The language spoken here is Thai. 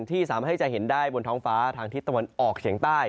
ที่สามารถให้จะเห็นได้บนท้องฟ้าทางทิศตะวันออกเฉียงใต้